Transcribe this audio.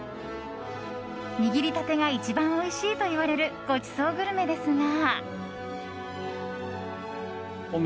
握りたてが一番おいしいと言われるごちそうグルメですが。